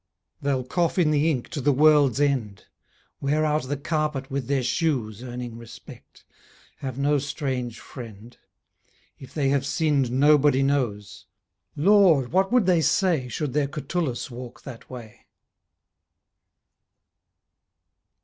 They'll cough in the ink to the world's end; Wear out the carpet with their shoes Earning respect; have no strange friend; If they have sinned nobody knows. Lord, what would they say Should their Catullus walk that way?